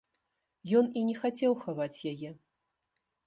Ён і не хацеў хаваць яе.